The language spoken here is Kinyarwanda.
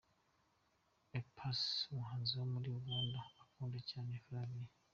A Pass umuhanzi wo muri Uganda ukunda cyane Flavia.